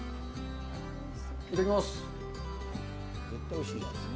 いただきます。